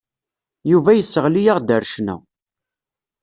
Yuba yesseɣli-aɣ-d ar ccna.